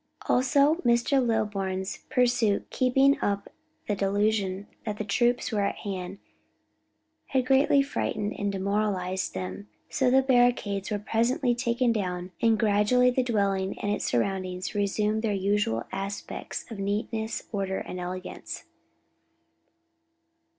Also Mr. Lilburn's pursuit keeping up the delusion that troops were at hand, had greatly frightened and demoralized them. So the barricades were presently taken down, and gradually the dwelling and its surroundings resumed their usual aspect of neatness, order, and elegance.